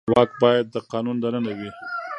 واک باید د قانون دننه وي